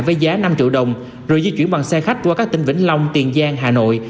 với giá năm triệu đồng rồi di chuyển bằng xe khách qua các tỉnh vĩnh long tiền giang hà nội